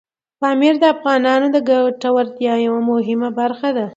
پامیر د افغانانو د ګټورتیا یوه مهمه برخه ده.